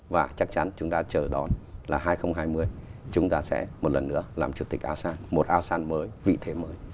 và chắc chắn chúng ta chờ đón là hai nghìn hai mươi chúng ta sẽ một lần nữa làm chủ tịch asean một asean mới vị thế mới